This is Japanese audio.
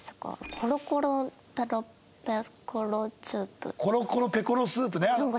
コロコロペコロスープね。